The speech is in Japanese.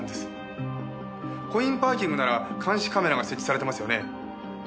コインパーキングなら監視カメラが設置されてますよね。